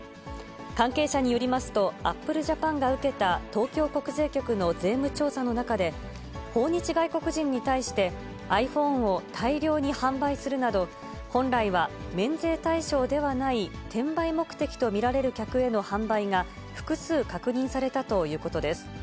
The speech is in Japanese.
関係者によりますと、アップルジャパンが受けた東京国税局の税務調査の中で、訪日外国人に対して、ｉＰｈｏｎｅを大量に販売するなど、本来は免税対象ではない、転売目的と見られる客への販売が複数確認されたということです。